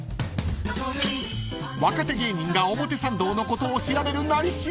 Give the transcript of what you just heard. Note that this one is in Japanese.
［若手芸人が表参道のことを調べる「なり調」］